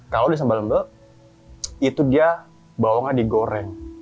kalau di sambal sambal itu dia bawangnya digoreng